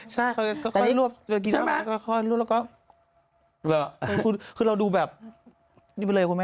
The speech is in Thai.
ช้าเขาก็ค่อยรวบค่อยรวบแล้วก็คือเราดูแบบนี่ไปเลยคุณแม่